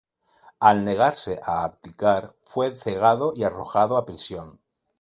Al negarse a abdicar, fue cegado y arrojado a prisión.